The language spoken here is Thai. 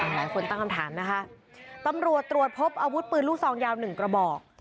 หลายคนตั้งคำถามนะคะตำรวจตรวจพบอาวุธปืนลูกซองยาว๑กระบอก